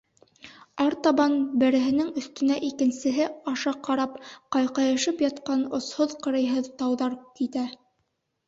Артабан, береһенең өҫтөнә икенсеһе аша ҡарап, ҡайҡайышып ятҡан осһоҙ-ҡырыйһыҙ тауҙар китә.